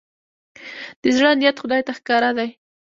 د زړه نيت خدای ته ښکاره دی.